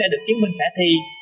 đã được chiến binh thả thi